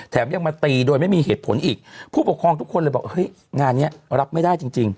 ยังมาตีโดยไม่มีเหตุผลอีกผู้ปกครองทุกคนเลยบอกเฮ้ยงานเนี้ยรับไม่ได้จริงจริง